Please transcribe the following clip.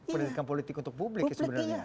pendidikan politik untuk publik ya sebenarnya